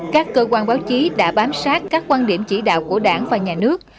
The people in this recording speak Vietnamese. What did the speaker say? các cơ quan báo chí đã bám sát các quan điểm chỉ đạo của đảng và nhà nước